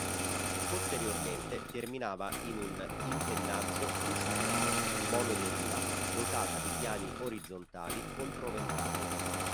Posteriormente terminava in un impennaggio cruciforme monoderiva dotata di piani orizzontali controventati.